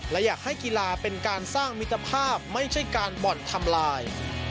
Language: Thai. และอยากให้กีฬาเป็นการสร้างมิตรภาพไม่ใช่การบ่อนทำลาย